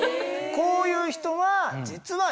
こういう人が実は。